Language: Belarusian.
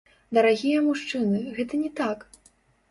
Дарагія мужчыны, гэта не так!